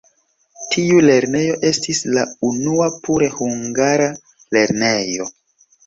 Tiu lernejo estis la unua pure hungara lernejo.